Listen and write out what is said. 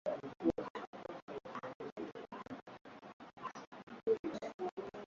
ili kuweza kuzuia mateso kwa maelfu ya wasichana